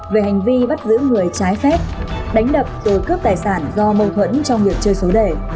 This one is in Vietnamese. về hành vi bắt giữ người trái phép đánh đập rồi cướp tài sản do mâu thuẫn trong việc chơi số đề